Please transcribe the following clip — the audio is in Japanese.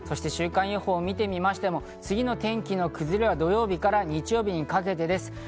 週間予報を見てみましても、次の天気の崩れは土曜日から日曜日にかけてです。